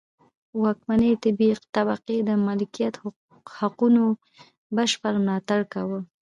واکمنې طبقې د مالکیت حقونو بشپړ ملاتړ کاوه.